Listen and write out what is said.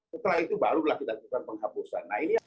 setelah itu barulah kita lakukan penghapusan